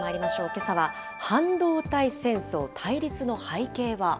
けさは、半導体戦争、対立の背景は？